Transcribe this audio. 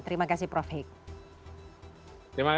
terima kasih prof hikmahanto